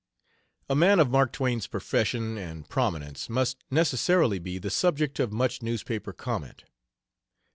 A man of Mark Twain's profession and prominence must necessarily be the subject of much newspaper comment.